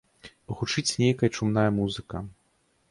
Гучыць нейкая чумная музыка.